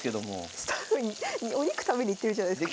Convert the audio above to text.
スタッフお肉食べに行ってるじゃないすか。